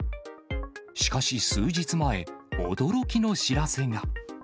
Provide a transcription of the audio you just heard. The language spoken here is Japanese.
しかし数日前、驚きの知らせが。